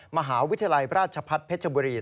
มหาวิทยาลัยราชพัฒน์เพชรบุรี